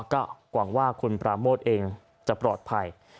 ก็หวังว่าคุณปราโมทเองจะปลอดภัย